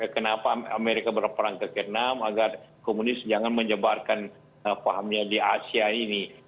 kenapa amerika berperang ke vietnam agar komunis jangan menyebarkan pahamnya di asia ini